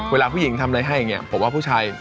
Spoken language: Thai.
เวลาผู้หญิงทำอะไรให้อย่างนี้ผมว่าผู้ชาย